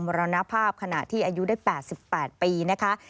รณภาพขณะที่อายุได้๘๘ปีนะคะ